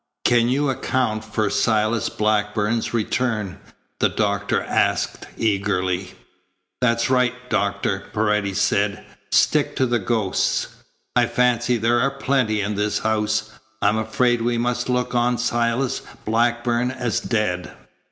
"Can you account for Silas Blackburn's return?" the doctor asked eagerly. "That's right, Doctor," Paredes said. "Stick to the ghosts. I fancy there are plenty in this house. I'm afraid we must look on Silas Blackburn as dead."